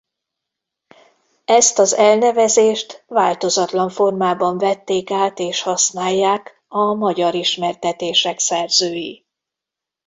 Ezt az elnevezést változatlan formában vették át és használják a magyar ismertetések szerzői.